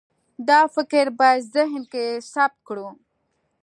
دا فکر باید ذهن کې ثبت کړو.